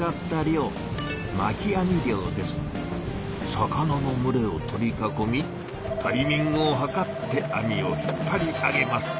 魚のむれを取り囲みタイミングを図って網を引っぱり上げます。